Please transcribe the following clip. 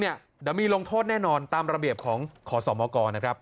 เดี๋ยวมีลงโทษแน่นอนตามระเบียบของขอสมกรนะครับ